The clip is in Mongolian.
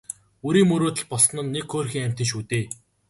Үрийн мөрөөдөл болсон л нэг хөөрхий амьтан шүү дээ.